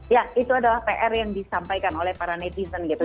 ya itu adalah pr yang disampaikan oleh para netizen gitu